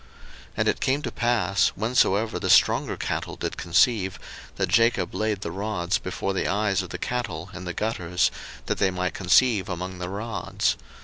01:030:041 And it came to pass, whensoever the stronger cattle did conceive, that Jacob laid the rods before the eyes of the cattle in the gutters, that they might conceive among the rods.